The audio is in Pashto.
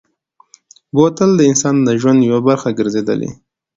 بوتل د انسان د ژوند یوه برخه ګرځېدلې.